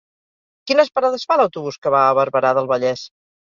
Quines parades fa l'autobús que va a Barberà del Vallès?